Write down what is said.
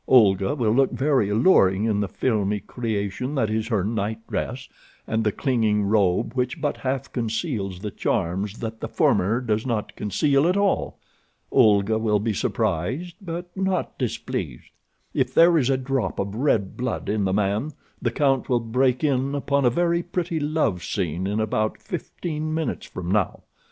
Olga will look very alluring in the filmy creation that is her night dress, and the clinging robe which but half conceals the charms that the former does not conceal at all. Olga will be surprised, but not displeased. "If there is a drop of red blood in the man the count will break in upon a very pretty love scene in about fifteen minutes from now.